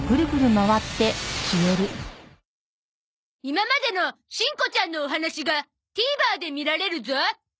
今までのしんこちゃんのお話が ＴＶｅｒ で見られるゾ